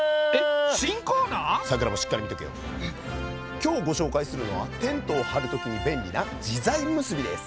今日ご紹介するのはテントを張る時に便利な自在結びです。